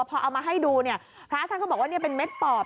พอเอามาให้ดูเนี่ยพระท่านก็บอกว่าเป็นเม็ดปอบ